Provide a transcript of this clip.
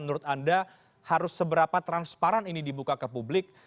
menurut anda harus seberapa transparan ini dibuka ke publik